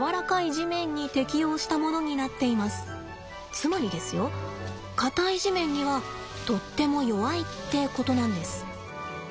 つまりですよ硬い地面にはとっても弱いってことなんです。